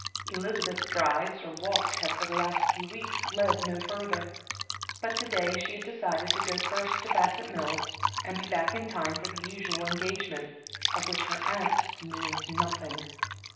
Elizabeth's drives, or walks had for the last few weeks led no further. But to day she had decided to go first to Bassett Mills, and be back in time for the usual engagement, of which her aunts knew nothing.